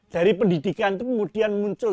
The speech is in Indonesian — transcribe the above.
dari pendidikan itu kemudian muncul